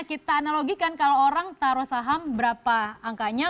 kita analogikan kalau orang taruh saham berapa angkanya